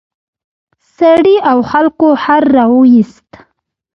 سړي او خلکو خر راوویست.